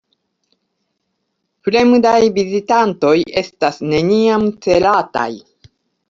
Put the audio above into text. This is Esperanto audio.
Fremdaj vizitantoj estas neniam celataj.